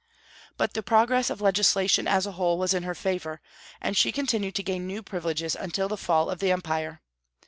But the progress of legislation, as a whole, was in her favor, and she continued to gain new privileges until the fall of the empire.